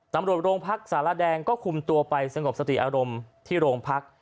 ตำรวจโรงพักสารแดงก็คุมตัวไปสงบสติอารมณ์ที่โรงพัก